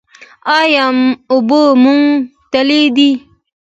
ایا اوبه مو تللې دي؟